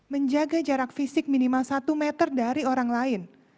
menjaga jarak fisik minimal satu meter dari orang lain